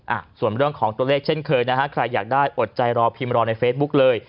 อ่ะส่วนเรื่องของตัวเลขเช่นเคยนะฮะใครอยากได้อดใจรอพิมพ์รอในเฟซบุ๊กเลย